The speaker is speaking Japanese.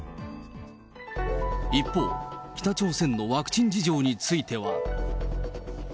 一方、北朝鮮のワクチン事情については。